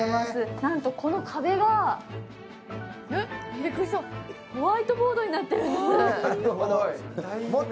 なんとこの壁がホワイトボードになっているんです。